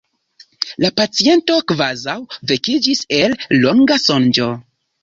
La paciento kvazaŭ vekiĝis el longa sonĝo.